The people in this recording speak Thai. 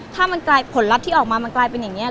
ถ้ามันกลายผลลัพธ์ที่ออกมามันกลายเป็นอย่างนี้